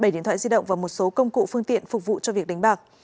bảy điện thoại di động và một số công cụ phương tiện phục vụ cho việc đánh bạc